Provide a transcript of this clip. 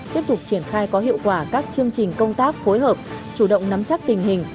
tiếp tục triển khai có hiệu quả các chương trình công tác phối hợp chủ động nắm chắc tình hình